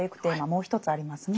もう一つありますね。